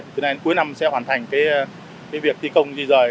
từ nay đến cuối năm sẽ hoàn thành việc thi công di rời